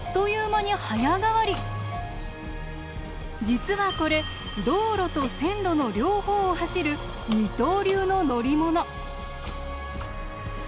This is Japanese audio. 実はこれ道路と線路の両方を走る二刀流の乗り物。